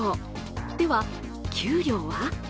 では、給料は？